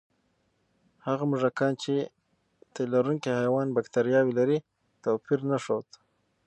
هغه موږکان چې د تیلرونکي حیوان بکتریاوې لري، توپیر نه ښود.